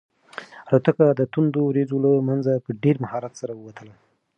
الوتکه د توندو وریځو له منځه په ډېر مهارت سره ووتله.